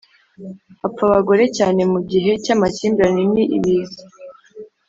Hapfa abagore cyane mu gihe cy amakimbirane n ibiza